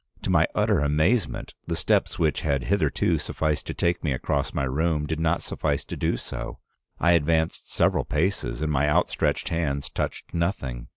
"To my utter amazement, the steps which had hitherto sufficed to take me across my room did not suffice to do so. I advanced several paces, and my outstretched hands touched nothing.